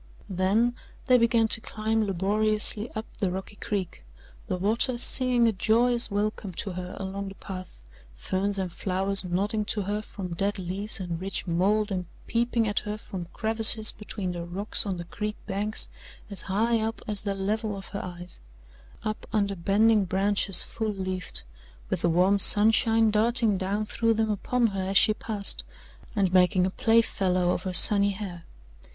Then they began to climb laboriously up the rocky creek the water singing a joyous welcome to her along the path, ferns and flowers nodding to her from dead leaves and rich mould and peeping at her from crevices between the rocks on the creek banks as high up as the level of her eyes up under bending branches full leafed, with the warm sunshine darting down through them upon her as she passed, and making a playfellow of her sunny hair.